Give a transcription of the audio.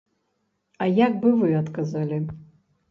А як бы вы адказалі?